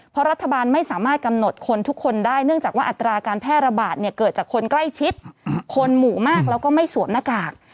เพราะรัฐบาลไม่สามารถกำหนดคนทุกคนได้เนื่องจากว่าอัตราการแพร่ระบาดเนี่ยเกิดจากคนใกล้ชิดคนหมู่มากแล้วก็ไม่สวมหน้ากาก